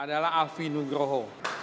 adalah alfi nugroho